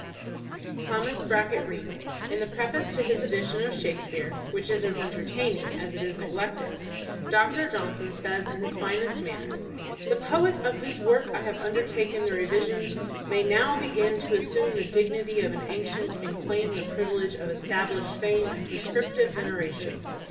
THOMAS BRACKETT REED In the preface to his edition of Shakespeare, which is as entertaining as it is neglected, Doctor Johnson says in his finest manner: "The poet of whose work I have undertaken the revision may now begin to as sume the dignity of an ancient and claim the privilege of established fame and prescriptive veneration.